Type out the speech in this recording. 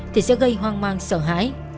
thì sẽ gây hoang mang sợ hãi